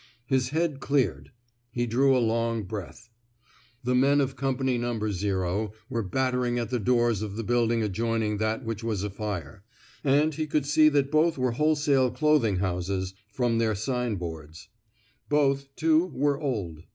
His head cleared. He drew a long breath. The men of Company No. were battering at the doors of the building adjoining that which was afire, and he could see that both were wholesale clothing houses, from their signboards. Both, too, were old.